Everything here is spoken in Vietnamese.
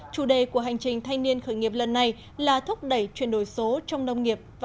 chủ đề của hành trình thanh niên khởi nghiệp lần này là thúc đẩy chuyển đổi số trong nông nghiệp